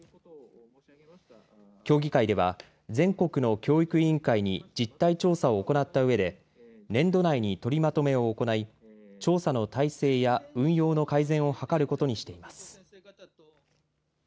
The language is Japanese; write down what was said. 協議会では全国の教育委員会に実態調査を行ったうえで年度内に取りまとめを行い調査の体制や運用の改善を図ることにしています。